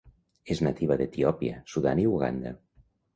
És nativa d'Etiòpia, Sudan i Uganda.